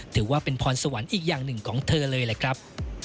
ถือว่าเป็นพรสวรรค์อีกอย่างนึงเลยครับ